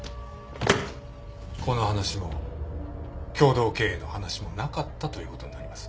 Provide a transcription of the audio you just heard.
この話も共同経営の話もなかったという事になります。